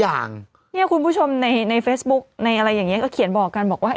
เนี่ยคุณผู้ชมในเฟซบุ๊กในอะไรอย่างนี้ก็เขียนบอกกันบอกว่า